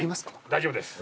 大丈夫です。